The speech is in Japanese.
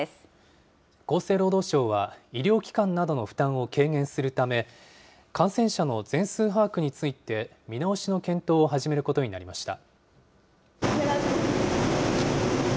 厚生労働省は、医療機関などの負担を軽減するため、感染者の全数把握について見直しの検討を始めることになりました。